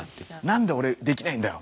何で俺できないんだよ！